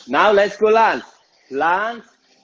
nah let's go lan lan